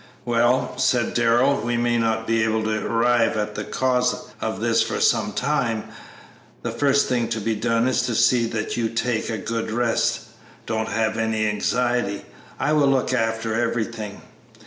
"Well," said Darrell, "we may not be able to arrive at the cause of this for some time. The first thing to be done is to see that you take a good rest; don't have any anxiety; I will look after everything.